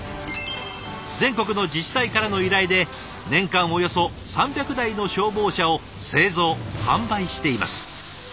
全国の自治体からの依頼で年間およそ３００台の消防車を製造販売しています。